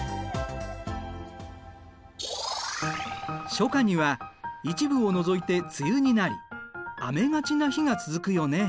初夏には一部を除いて梅雨になり雨がちな日が続くよね。